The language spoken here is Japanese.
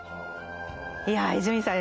いや伊集院さん